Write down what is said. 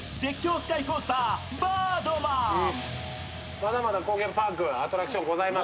まだまだ高原パーク、アトラクションございます。